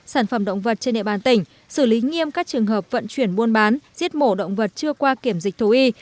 sản phẩm động vật trên địa bàn tỉnh xử lý nghiêm các trường hợp vận chuyển buôn bán giết mổ động vật chưa qua kiểm dịch thú y